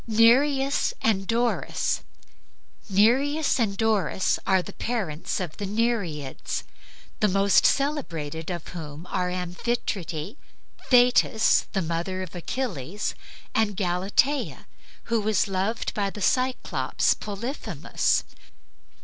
NEREUS AND DORIS Nereus and Doris were the parents of the Nereids, the most celebrated of whom were Amphitrite, Thetis, the mother of Achilles, and Galatea, who was loved by the Cyclops Polyphemus.